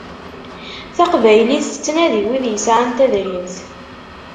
Taqbaylit tettnadi wid yesɛan tadrimt.